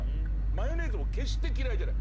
マヨネーズも決して嫌いじゃない。